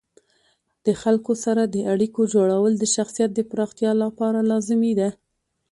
د خلکو سره د اړیکو جوړول د شخصیت د پراختیا لپاره لازمي دي.